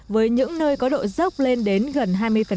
với những nơi có độ dốc lên đến gần hai mươi